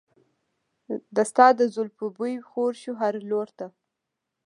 د ستا د زلفو بوی خور شو هر لور ته.